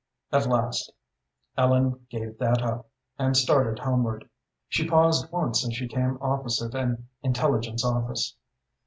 At last Ellen gave that up, and started homeward. She paused once as she came opposite an intelligence office.